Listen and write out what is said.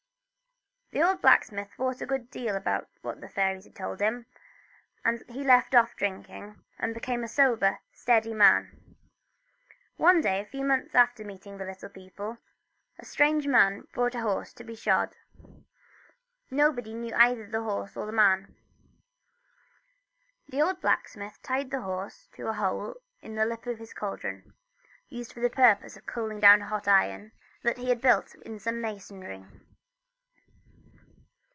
The old blacksmith thought a good deal about what the fairies had told him, and he left off drinking, and became a sober, steady man. One day, a few months after meeting the little people, a strange man brought a horse to be shod. Nobody knew either the horse or the man. The old blacksmith tied the horse to a hole in the lip of a cauldron (used for the purpose of cooling his hot iron) that he had built in some masonry.